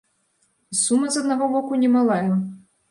Сума, з аднаго боку, немалая.